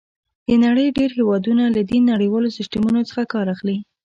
د نړۍ ډېر هېوادونه له دې نړیوالو سیسټمونو څخه کار اخلي.